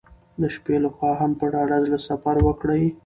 د شپې له خوا هم په ډاډه زړه سفر وکړئ.